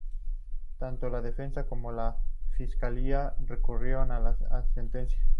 Tanto la defensa como la fiscalía recurrieron la sentencia.